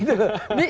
ini yang di